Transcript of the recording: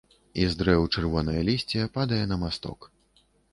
І з дрэў чырвонае лісце падае на масток.